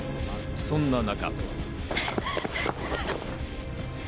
そんな中。